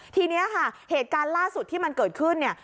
ทีนี้ค่ะเหตุการณ์ล่าสุดที่มันเกิดขึ้นเนี่ย